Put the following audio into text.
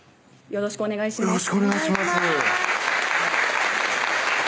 よろしくお願いします